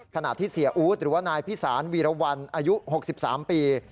ขณะที่เสียอู๊ดหรือว่านายพิสารวีรวรรณอายุ๖๓ปี